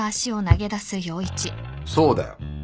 そうだよ。